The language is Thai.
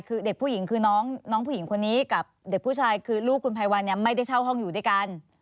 คือเด็กผู้หญิงคือน้องผู้หญิงคนนี้กับเด็กผู้ชายคือลูกคุณภัยวันไม่ได้เช่าห้องอยู่ด้วยกัน